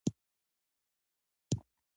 ـ لورې لورې تاته ويم، نګورې تاپه غوږ وهم.